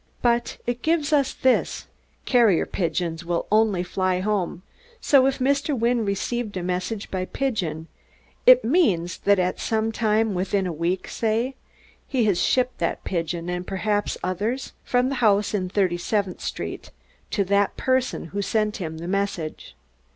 But it gives us this: Carrier pigeons will only fly home, so if Mr. Wynne received a message by pigeon it means that at some time, within a week say, he has shipped that pigeon and perhaps others from the house in Thirty seventh Street to that person who sent him the message.